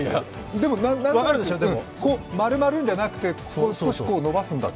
でも何となく、丸まるんじゃなくて、少し伸ばすんだと。